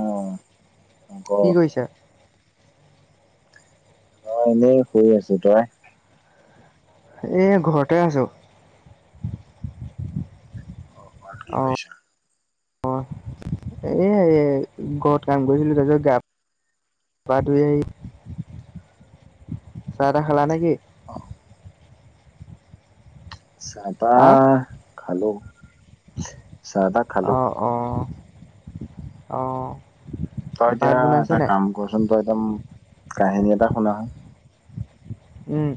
অ ক। কি কৰিছা? মই এনেই শুই আছো তই। এ ঘৰতে আছোঁ। অ' কি কৰিছা? এ-এ' ঘৰত কাম কৰিছিলো তাৰপিছত গা- পা ধুই। চাহ-তাহ খালা নেকি? আহ চাহ-তাহ খালো, চাহ-তাহ খালো। অঁ', -অঁ',। তই এতিয়া এটা কাম কৰ চোন তই একদম কাহিনী এটা শুনা চোন। উম।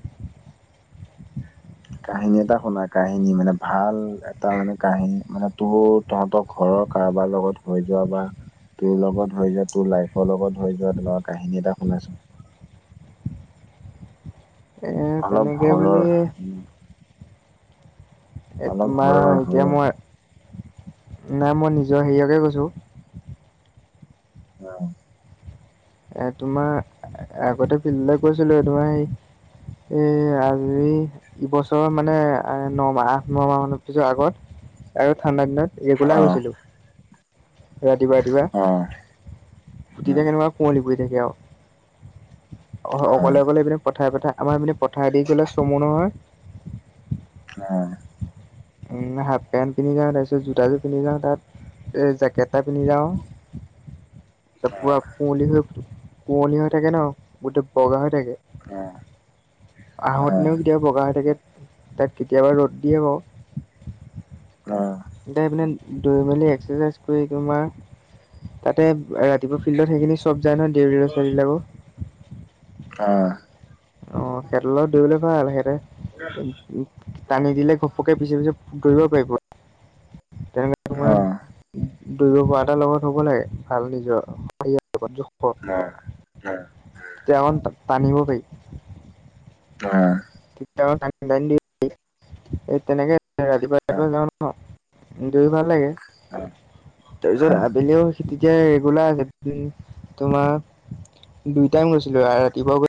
কাহিনী এটা শুনা, কাহিনী মানে ভাল এটা মানে কাহিনী মানে তোৰ- তহঁতৰ ঘৰৰ কাৰোবাৰ লগত হৈ যোৱা বা- তোৰ লগত হৈ যোৱা তোৰ লাইফৰ লগত হৈ যোৱা তেনেকুৱা কাহিনী এটা শুনাচোন। এ অলপ তেনেকে ঘৰৰ। বুলি এই অলপ তোমাৰ হৰৰ এতিয়া হৰৰ মই নাই, মই নিজৰ হেৰিয়কে কৈছোঁ। উম। এ' তোমাৰ আগতে ফিল্ডলৈ গৈছিলো তোমাৰ সেই- এ' আজি- এইবছৰৰ মানে ন মাহ, আঠ, ন মাহৰ পিছত আগত আৰু ঠাণ্ডা দিনত- ৰেগুলাৰ অ গৈছিলো ৰাতিপুৱা-ৰাতিপুৱা। অ অ তেতিয়া কেনেকুৱা- গৈ থাকো আৰু। অ অ-অকলে-অকলে পথাই-পথাই- আমাৰ মানে পথাৰ দি গ'লে চমু নহয়। অহ। হাফ পেণ্ট পিন্ধি যাওঁ তাৰপিছত জোতাযোৰ পিন্ধি যাওঁ তা'ত জেকেট এটা পিন্ধি যাওঁ। পুৰা কুঁৱলী হৈ -কুঁৱলী হৈ থাকে ন' গোটেই বগা হৈ থাকে। অঁহ'। আহোতেও কেতিয়াবা বগা হৈ থাকে, তাত কেতিয়াবা ৰ'দ দিয়ে বাওঁ। অ'। সেইপিনে দৌৰি মেলি এক্সাৰচাইজ কৰি তোমাৰ- তা'তে ৰাতিপুৱা ফিল্ডত সেইখিনি চব যায় নহয় দেউৰী ল'ৰা-ছোৱালীবিলাকো। অহ'। অঁ', সিহঁতৰ লগত দৌৰিবলৈ ভাল সেতে- টানি দিলে ঘপকে পিছে-পিছে দৌৰিব পাৰিব। তেনেকৈ তোমাৰ দৌৰিব পৰা এটাৰ লগত হ'ব লাগে ভাল নিজৰ। হাৰ লগত [unintelligible] [unintelligible] অহ', -অহ',। [unintelligible] টানিব পাৰিবি। অহ'। তেতিয়া তেনেকে ৰাতিপুৱা যা [unintelligible] অহ', দৌৰি ভাল লাগে। তাৰপিছত আবেলিও- তেতিয়া ৰেগুলাৰ আ' ম, তোমাৰ দুই টাইম গৈছিলোঁ। আ', ৰাতিপুৱা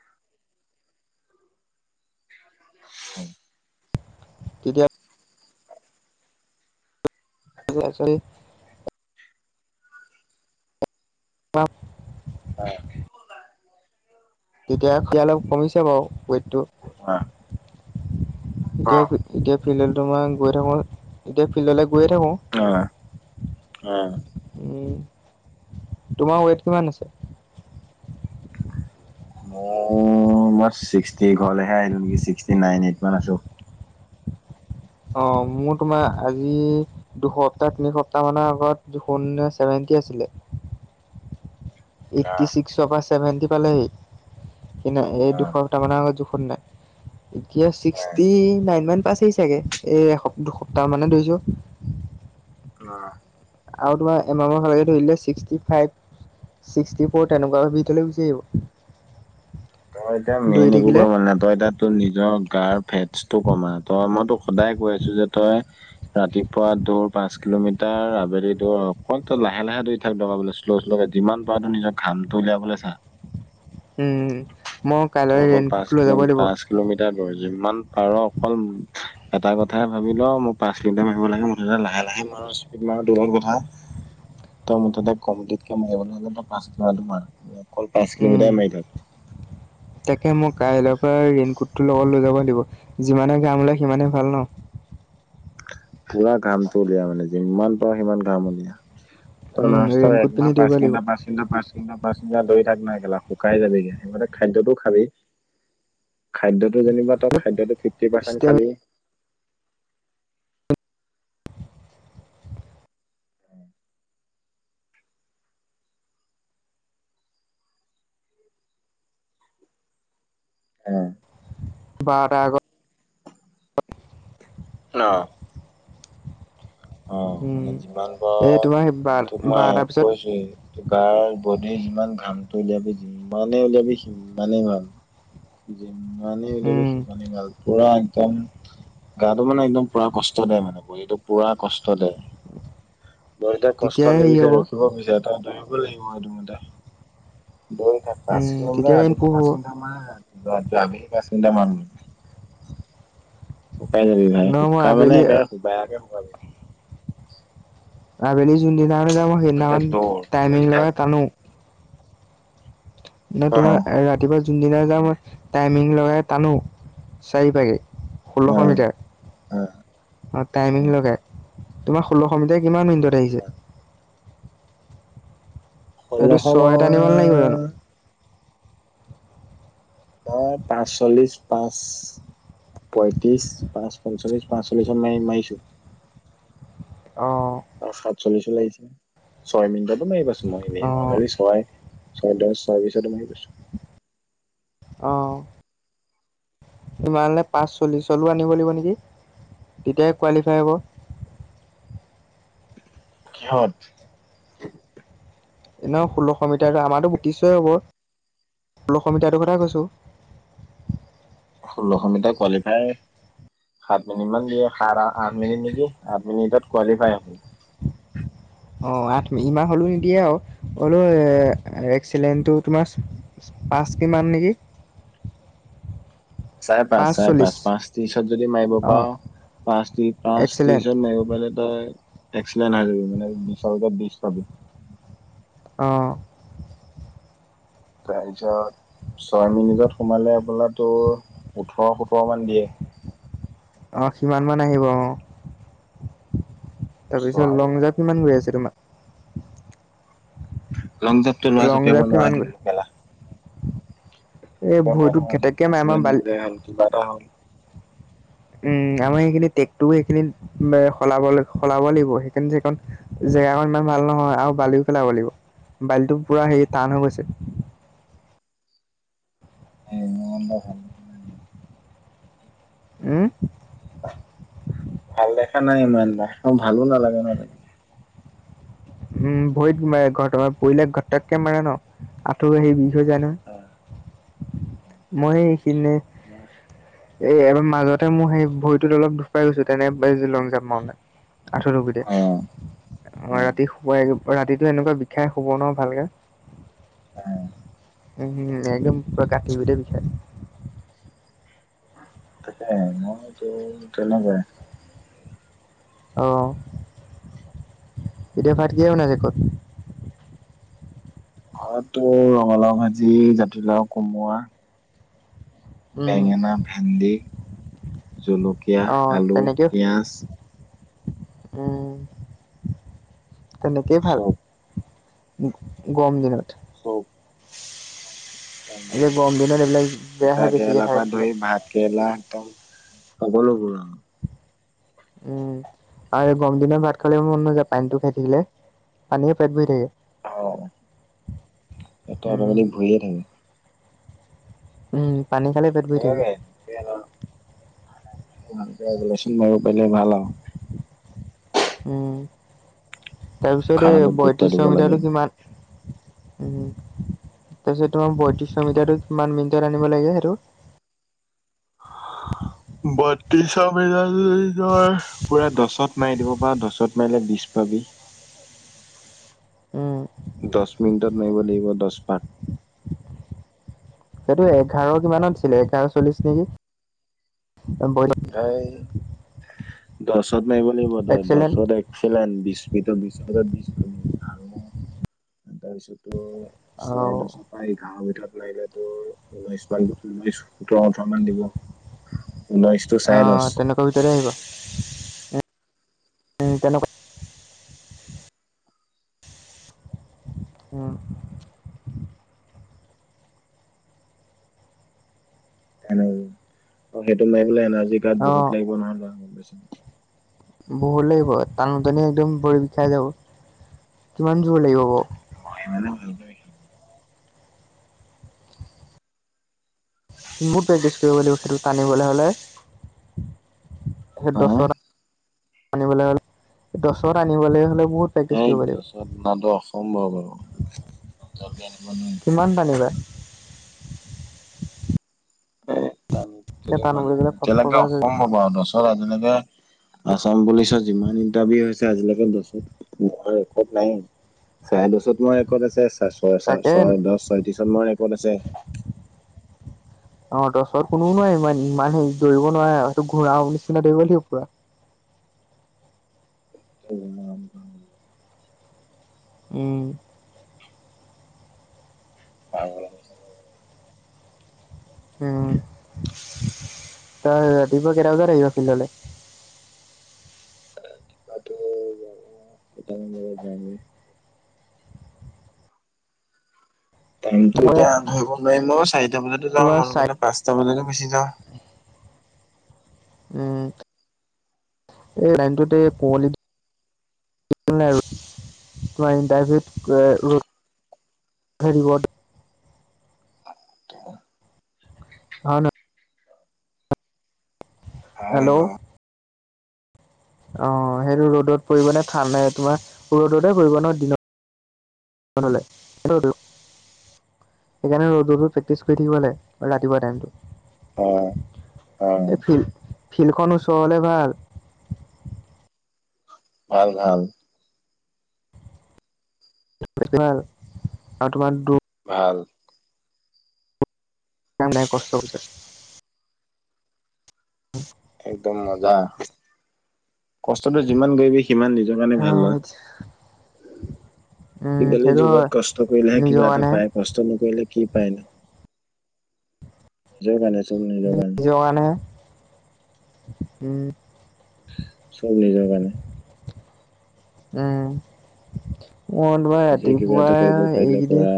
[unintelligible] তেতিয়া কিবা আছিল আ' অহ'। এতিয়া তেতিয়াত কৈ অলপ কমিছে বাৰু ৱেইটটো। এতিয়াও- এতিয়া ফিল্ডলে তোমাৰ গৈ থাকোঁ, এতিয়া ফিল্ডলে গৈয়ে থাকোঁ। অহ', -অঁহ',। উম, তোমাৰ ৱেইট কিমান আছে? মোৰ, মই ছিক্সটি ঘৰলেহে আহিলোঁ নেকি। ছিক্সটি নাইন, এইটমান আছোঁ। অহ, মোৰ তোমাৰ আজি- দুসপ্তাহ-তিনিসপ্তাহ মানৰ আগত দেখোন চেভেন্টি আছিলে। এইট্টি আহ, ছিক্সৰ পৰা ছেভেন্টি পালেহি। কি ন এই আহ, দুশপটামানৰ আগত জোখত নাই। এতিয়া ছিক্সটি নাইনমান পাইছেহি চাগে। এই এসপ, দুসপ্তাহ মানে ধৰিছোঁ। অহ। আৰু তোমাৰ এমাহৰ ধৰিলে ছিক্সি ফাইভ- ছিক্সটি ফ'ৰ তেনেকুৱা [unintelligible] কেনে গুচি আহিব। তই এতিয়া দৌৰি মেইন থাকিলে একোকৰিবনেলা গগ ততমানে। তই এতিয়া- তই নিজৰ গাৰ ফেত্ছটো কমা। তই, মই তোক সদায় কৈ আছোঁ যে তই- ৰাতিপুৱা দৌৰ পাঁচ কিলোমিটাৰ। আবেলি দৌৰ, অকণ তই লাহে লাহে দৈ- থেল পাবা বোলোঁ শ্ল' শ্ল' কৈ। যিমান পাৰা তুমি নিজৰ ঘামটো উলিয়াবলে চা। উম, মই কাইলৈ অকল পাঁচ ৰেইনকোটটো লৈ কিলো যাবই লাগিব। পাঁচ কিলোমিটাৰ দৌৰ। যিমান পাৰোঁ অকল ম', এটা কথাই ভাবি ল' মোৰ পাঁচ- কিলোমিটাৰ মাৰিব লাগে। মুঠতে লাহে লাহে মাৰোঁ, স্পীডত মাৰোঁ, তোমাৰ কথা। [unintelligible] ত' মুঠতে কমপ্লিটকে মাৰিবি কিন্তু পাঁচ বাৰ মাৰ। অকল পাঁচ উম কিলোমিটাৰে মাৰি থাক। [unintelligible] তাকে মোক কাইলৈৰ পৰা ৰেইনকোটটো লগত লৈ যাবই লাগিব। যিমানে ঘাম ওলায় সিমানে ভাল, ন। পুৰা ঘামটো উলিয়া মানে। যিমান পাৰওঁ সিমান ঘাম উলিয়া। তোৰ উম লাষ্টৰ ৰেইনকোট একমাহ পিন্ধি দৌৰিব পাঁচ লাগিব তিনমাহ পাঁচ- পাঁচটা পাঁচটা ধৰি থাক নাই একেলা শুকাই যাবিগা সিতে খাদ্যতো খাবি [unintelligible] খাদ্যটো যেনেবা তই, খাদ্যটো ফিফটি পাৰ্চেণ্ট খালি। উম। বা তাৰ আগত- অহ। অহ, উম মানে যিমান এই পাৰোঁ, তোমাৰ বাৰ তোমাক বাৰটাৰ পিছত কৈছে- তোমাৰ ' বডিৰ যিমান ঘামটো উলিয়াবি, যিমানে উলিয়াবি সিমানে ভাল। যিমানে উলিয়াবি উম সিমানে ভাল। পুৰা একদম, গাটো মানে একদম পুৰা কষ্ট দে মানে। বডীটো পুৰা- কষ্ট দে। বডীটোৱে কষ্ট তেতিয়াই হেৰি হ'ব নিবিচাৰে তোমাক বিচাৰে। ত', দৌৰিবই লাগিব আৰু তুমি দে। দৌৰি থাক। পাঁচ উম, তেতিয়া কিলোমিটাৰ, ৰেইন ৰাতিপুৱা প্ৰুফ পাঁচ হ'ব। মিনিটাৰমান ৰা, ৰাত। লাগেই পাঁচ মিনিটাৰমান। শুকাই যাবি ভাই। নহয় মই শুকাই মানে আবেলি একে শু' বেয়াকে- আবেলি যোনদিনাহে যাওঁ, এতিয়া সেইদিনাখন দৌৰ টাইমিং দৌৰি থাক লগাই টানোঁ। নাই অ তোমাৰ অ এ ৰাতিপুৱা যোনদিনাই যাওঁ মই, টাইমিং লগাই টানোঁ, চাৰিটাকে। অ ষোল্লশ মিটাৰ। অ অহ, অ টাইমিং লগাই। তোমাৰ ষোল্লশ মিটাৰ কিমান মিনিটত আহিছে? এইটো ষোল্লশ ছয়ত আনিব নেলাগিব জানোঁ? মই নয় পাঁচচল্লিশ পাঁচ। পঁয়ত্ৰি পাচ পঞ্চলিশ পাঁচল্লিশ মাৰি মাৰিছো অঁ অ সাত চল্লিছো লাগিছিলে ছয় মিনিটতো মাৰি পছো মই অ এনেই নাজালি ছয় ছয় দহ চাৰিছত ত ম আহিছো অ সোমালে পাঁচ চল্লিছ লৈ আনিব লাগিব নেকি তেতিয়াহ কোৱালিফাই হ'ব কেৱাট এ ন ষোল্লশ মিটাৰ আমাৰতো বুটিশয়ই হ'ব ষোল্লশ মিটাৰটোৰ কথা কৈছো ষোল্লশ মিটাৰ কোৱালিফাই সাত মিনিট মান দিয়ে স আঠ মিনিট নিদি আঠ মিনিটত কোৱালিফাই হ'ল অ আঠ ইমাহ হ'লো নিদিয়ে আৰু হলো এক্সিলেণ্টটো তোমাৰ পাঁচ কিমান নেকি চাৰে পাঁচ চাৰে পাঁচ পাঁচ ত্ৰিশত যদি মাৰিব অঁ পাৰ পাঁচ ত্ৰিশ পাঁচ এক্সিলেণ্ট ত্ৰিশত মাৰিব পাৰিলে তই এক্সিডেণ্ট হৈ যাবি মানে বিচাৰ তাত বিছ পাবি অঁ তাৰপিছত ছয় মিনিটত সোমালে বোলে তোৰ ওঠৰ সোতৰ মান দিয়ে অ সিমান মান আহিব অ তাৰপিছত ছয় লং জাম কিমান গৈ আছে তোমাৰ লং জাপটো লোৱা লং জপিয়াব জাম্প নোৱাৰা কিমান হৈ গৈ থাকিলোঁ কেলা এই একেবাৰে নোৱাৰা ভৰিটোত হৈ ঘেটেককৈ থাকিলোঁ মাৰে আমাৰ এক্সিলেন্ত বালি নোযোৱাই হ'ল কিবা এটা হ'ল উম আমাৰ সেইখিনি ট্ৰেকটোও সেইখিনি সলাব সলাব লাগিব সেইকাৰণ যেখন জেগাকন ইমান ভাল নহয় আৰু বালিও পেলাব লাগিব বালিটো পুৰা হেৰি টান হৈ গৈছে সেই মন ভাল উম ভাল দেখা নাই ইমান বাৰ ভালো নালাগে নহয় উম ভৰিত মা ঘট পৰিলে ঘটককে মাৰে নহ আঁঠৌ সেই বিষ হৈ জানো মই এইখিনে অ এই এবাৰ মাজতে মোৰ সেই ভৰিটোত অলপ দুখ পাই গৈছো তেনে ব লং জাম মাৰুতে আঠুৰ্টোগুইটে অ', মই অ', ৰাতি শুৱাই ৰাতিটো এনেকুৱা বিষাই শুব নোৱাৰো ভালকে এ উম হম একদম পুৰা কাটিবতে বিখাই তাকে মইতো তেনেকুৱাই অঁ এতিয়া ভাত কিহেৰে বনাইছে ঘত অটো ৰঙালাও ভাজি জাতিলাও কোমোৱা উম বেঙেনা ভেন্দি জলকীয়া অ আলু তেনেকে পিয়াজ উম তেনেকেই ভাল চব গৰম দিনত চব তামি এতিয়া গৰম দিনত এইবিলাক তিতা বেয়াহে বেছিকে কেৰেলা খাই পৰা থাকিলে ধৰি ভাত কেৰেলা একাওন সকলোবোৰ আও উম আৰু এই গৰম দিনত ভাত খালে মন নযায় পানীতটো খাই থাকিলে পানীয়ে পেট বহি থাকে অ সো অটমেটিক উম ভৰিয়ে থাকে উম পানী খালে পেট নে ভৰি থাকে [unintelligible] ভকচোন বাব পাৰিলে ভাল আৰু উম তাৰপিছত এই খানাটোত গুৰুত্ব দিব বয়ত্ৰিশশ লাগে মিটাৰটো কিমান উম তাৰপিছতোমাৰ বয়ত্ৰিশ মিটাৰটো কিমান মিনিটত আনিব লাগে সেইটো বত্ৰিশ মিটাৰ যদি তই পুৰা দহত মাৰি দিব প দচত মাৰিলে বি পাবি উম। দশ মিনিটৰ নাইিব লাগিব দশ প সেইটো এঘাৰ কিমানত আছিলে এঘাৰ চল্লিশ নেকি? ত দছত নাৰিব লাগিব তই এক্সেলেণ্ট দহত এক বিসিত বি বিছ পাব আৰু তাৰপিছতো আৰু [unintelligible] ভিতৰত লাগিলে তোৰ ঊনৈশ ম ঊনৈশ সোতৰ ওঠৰ মান দিব ঊনৈশ অ' তেনেকুৱা ভিতৰে আহিব তেনেকুৱা উ অ' সেইটো মাৰি বোলে [unintelligible] অ' বহুত লাগিব নহয় লৰাক কৈছে বহুত লাগিব টানো টানি একদম ভৰি বিষাই যাব। কিমান জোৰ লাগিব বাৰ [unintelligible] মোৰ প্ৰেক্টিচ কৰিব লাগিব সেইটো টানিবলৈ হলে তে অ দৰ আনিবলৈ হলে, দহত আনিবলে হলে বহুত প্ৰেক্টিচ এই কৰিব লাগিব দহতটো অনাতো অসম্ভৱ বাৰু, [unintelligible] আনিব নোৱাৰি। কিমান পাৰিবা? এ ত য টানো মানে বুলি ক'লে ফ এনেকে ফকাচ হৈ অসম্ভৱ হব দহত আজিলৈকে আচাম পুলিচৰ যিমান ইন্টাৰভিউ হৈছে আজিলৈকে [unintelligible] নাইয়েই চাৰে দশত মই ৰেকৰ্ড আছে ছয় তাকে ছয় দহ ছয়ত্ৰিশত মই ৰেকৰ্ড আছে [inaudible] অ' তছত কোনোও নোৱয় ইমান ইমান হেৰিৰিব নোৱাৰে হয়তো ঘূৰাও নিচিনা দৌৰিব লাগিব পুৰা উ উম আ উম তাৰ ৰাতিপুৱা কেইটা বজাৰ আহিব [unintelligible] উ [unintelligible] টাইমতো এতিয়া ধৰিব নোৱাৰিম ম চাৰিটা বজাতো যাওঁ তোমাৰ মই চাই গলে পাঁচটা বজাতো গুছি যাওঁ উম। এই লাইনটোত এই পুঁৱালী তোমাৰ [unintelligible] অন হয় হেল্ল' বাৰু অ' সেইটো ৰ'দত পৰিব নে ঠাণ্ডাই তোমাৰ ৰ'দতে পৰিব ন দিনত? [unintelligible] সেইকাৰণে ৰ' ৰত প্ৰেক্টিছ কৰি থাকিব লাগে ৰাতিুৱা টাইমটো হয় হয় এই ফিল ফিল্ডখন ওচৰলে ভাল ভাল ভাল। মাৰ আৰু তোমাৰ ভাল [unintelligible] কষ্ট কৰিছ উম একদম মজা, কষ্টটো যিমান কৰিবি সিমান দি [unintelligible] উম আজিকালি সেইটো হয়। যুগত কষ্ট কৰিলেহে কিবা এটা জোগানে পায় কষ্ট নকৰিলে কি পায় ন। যোগানে চল ন যোগান [unintelligible] সেই কাৰণে উম চব নিজৰ কাৰণে উম [unintelligible] মলবাৰ নিজে কিবা ৰাতিপুৱা এটা কৰিব পাৰিলে এইকেইদিন কৰা।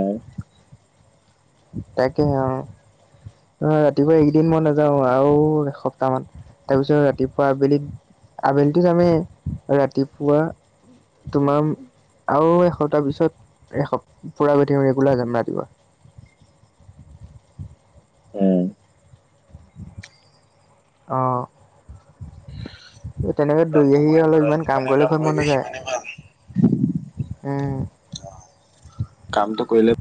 তাকে আৰু ৰাতিপুৱা এইকেইদিন মই নাযাওঁ, আৰু এসপ্তাহ মান। তাৰপিছত ৰাতিপুৱা আবেলিত, আবেলি যামেই, ৰাতিপুৱা তোমাৰ আৰু এসপ্তাহ পিছত এস পুৰা গৈ থাক ৰেগুলাৰ যাম ৰাতিপুৱা। উম অ', তেনেকে দৈ কামটো আহি কৰিম অলপ ইমান কাম যিমানে কৰিলে ঘৰত মন কৰিবি ন যায়। সিমানে ভাল উম। কামটো কৰিলে